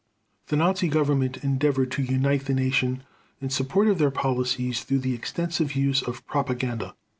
The Nazi Government endeavored to unite the Nation in support of their policies through the extensive use of propaganda.